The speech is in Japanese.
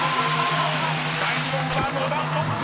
［第２問は野田ストップ！